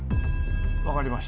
分かりました。